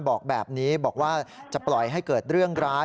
บอกแบบนี้บอกว่าจะปล่อยให้เกิดเรื่องร้าย